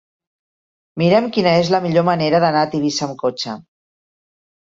Mira'm quina és la millor manera d'anar a Tivissa amb cotxe.